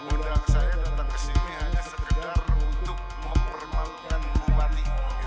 undang saya datang ke sini hanya sekedar untuk mempermalukan bupati